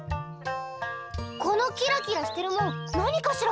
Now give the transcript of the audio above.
このキラキラしてるもん何かしら？